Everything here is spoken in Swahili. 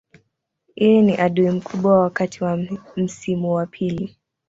Yeye ni adui mkubwa wakati wa msimu wa pili.